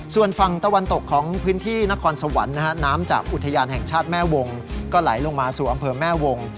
ส่วนฝั่งตะวันตกของพื้นที่นครสวรรค์นะฮะน้ำจากอุทยานแห่งชาติแม่วงก็ไหลลงมาสู่อำเภอแม่วง